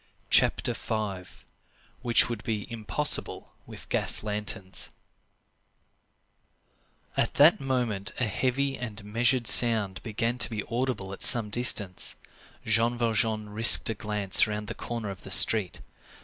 CHAPTER V—WHICH WOULD BE IMPOSSIBLE WITH GAS LANTERNS At that moment a heavy and measured sound began to be audible at some distance. Jean Valjean risked a glance round the corner of the street.